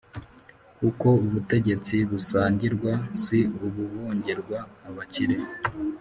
Kuko ubutegetsi busangirwa. Si ubuhongerwa abakire